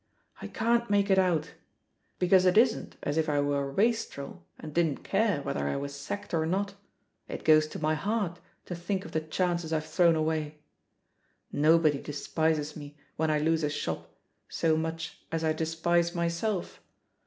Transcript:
I can't make it out. Because it isn't as if I were a wastrel and didn't care whether I was sacked or not — ^it goes to my heart to think of the chances I've thrown away^ Nobody despises me when I lose a shop so much a& I despise myself.